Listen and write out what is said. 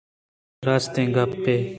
اے تچک ءُ راستیں گپّے